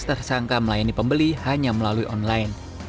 tersangka melayani pembeli hanya melalui online